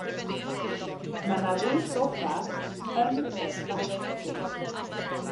Mae 'na ddwy soffa yn y stafell fyw.